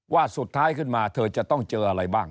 ว่าสุดท้ายขึ้นมาเธอจะต้องเจออะไรบ้าง